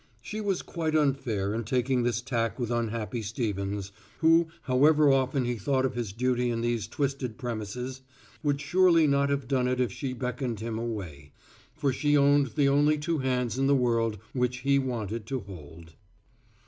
She was quite unfair in taking this tack with unhappy Stevens, who, however often he thought of his duty in these twisted premises, would surely not have done it if she beckoned him away. For she owned the only two hands in the world which he wanted to hold.